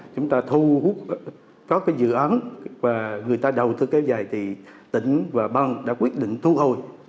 chúng ta thu hút có cái dự án và người ta đầu thư kế dài thì tỉnh và bang đã quyết định thu hồi